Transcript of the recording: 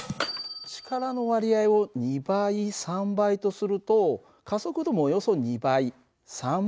力の割合を２倍３倍とすると加速度もおよそ２倍３倍となるんだよ。